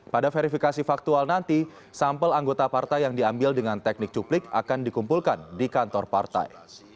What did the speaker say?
pada verifikasi faktual nanti sampel anggota partai yang diambil dengan teknik cuplik akan dikumpulkan di kantor partai